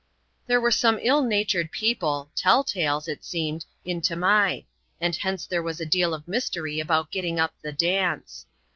,' Thsbe were some ill natured people — teU tales — it seemed, in Tamai ; and hence there was a deal of mystery about getting up the dance.